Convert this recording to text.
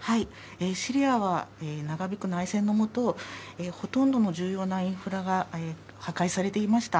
シリアは長引く内戦のもと、ほとんどの重要なインフラが破壊されていました。